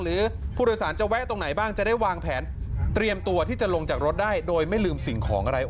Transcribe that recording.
หรือผู้โดยสารจะแวะตรงไหนบ้างจะได้วางแผนเตรียมตัวที่จะลงจากรถได้โดยไม่ลืมสิ่งของอะไร